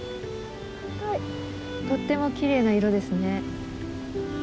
とってもきれいな色ですね。